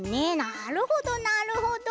なるほどなるほど。